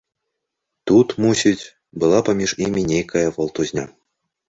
Тут, мусіць, была паміж імі нейкая валтузня.